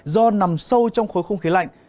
do nằm sâu trong khối không khí lạnh